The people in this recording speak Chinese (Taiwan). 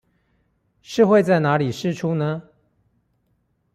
是會在哪裡釋出呢?